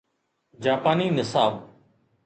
جاپاني نصاب